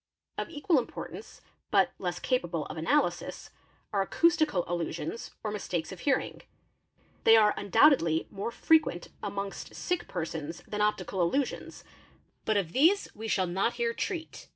Of equal importance, but less capable of analysis, are acoustical illusions or mistakes of hearing. They are undoubtedly more frequent _ amongst sick persons than optical illusions, but of these we shall not here treat.